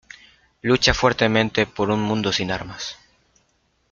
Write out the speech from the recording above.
Lucha fuertemente por un mundo sin armas.